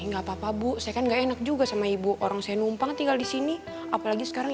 enggak apa apa bu saya kan enggak enak juga sama ibu orang saya numpang tinggal di sini apalagi sekarang